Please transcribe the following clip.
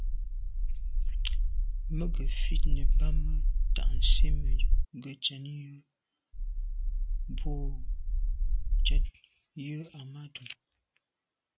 Mə̀ gə ̀fít nə̀ bɑ́mə́ tà' nsí mə̄ gə́ cɛ̌d yə́ bú cɛ̌d Ahmadou.